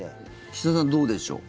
岸田さん、どうでしょう。